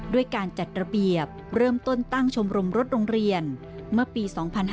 ด้วยการจัดระเบียบเริ่มต้นตั้งชมรมรถโรงเรียนเมื่อปี๒๕๕๙